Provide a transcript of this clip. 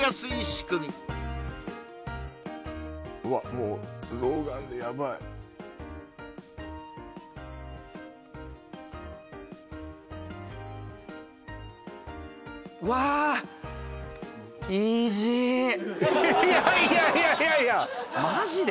もう老眼でヤバいうわいやいやいやいやいやマジで？